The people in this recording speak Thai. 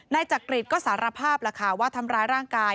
นายจักริตก็สารภาพว่าทำร้ายร่างกาย